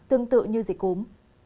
tương tự như dịch cúm